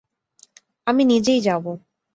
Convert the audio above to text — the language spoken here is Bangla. আমি নিজেই যাবো।